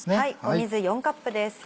水４カップです。